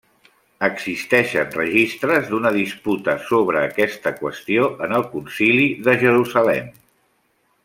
Existeixen registres d'una disputa sobre aquesta qüestió en el Concili de Jerusalem.